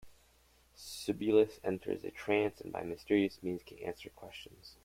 Sibyls enter a trance and by mysterious means, can answer questions.